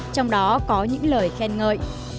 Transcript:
trong đó có những lời khen ngợi